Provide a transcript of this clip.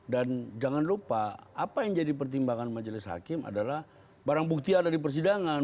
dan jangan lupa apa yang jadi pertimbangan majelis hakim adalah barang bukti ada di persidangan